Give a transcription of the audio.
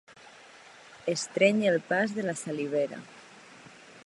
Estrènyer el pas de la salivera.